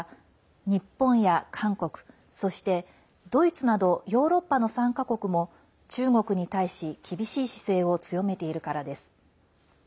日本や韓国、そしてドイツなどヨーロッパの参加国も中国に対し厳しい姿勢を強めているからです。